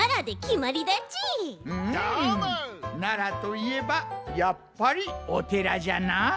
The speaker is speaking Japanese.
奈良といえばやっぱりおてらじゃな。